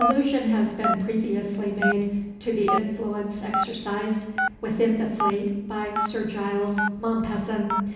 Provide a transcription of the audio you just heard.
Allusion has been previously made to the influence exercised within the Fleet by Sir Giles Mompesson.